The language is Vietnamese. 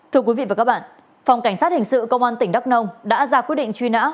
thưa quý vị và các bạn phòng cảnh sát hình sự công an tỉnh đắk nông đã ra quyết định truy nã